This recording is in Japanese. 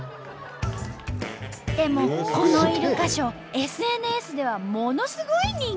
でもこのイルカショーＳＮＳではものすごい人気！